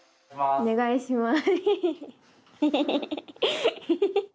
おねがいします。